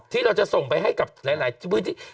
ที่เราจะส่งไปให้กับหลายพื้นที่